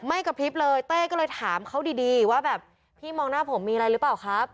กระพริบเลยเต้ก็เลยถามเขาดีว่าแบบพี่มองหน้าผมมีอะไรหรือเปล่าครับ